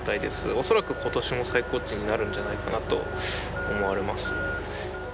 おそらくことしも最高値になるんじゃないかなと思われます。